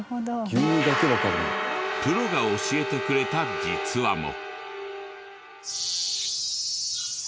プロが教えてくれた「実は」も。